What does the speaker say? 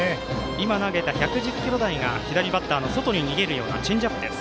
今投げた１１０キロ台が左バッターの外に逃げるようなチェンジアップです。